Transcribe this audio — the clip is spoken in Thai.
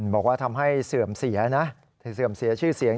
บอกว่าทำให้เสื่อมเสียนะเสื่อมเสียชื่อเสียง